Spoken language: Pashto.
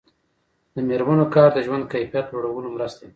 د میرمنو کار د ژوند کیفیت لوړولو مرسته ده.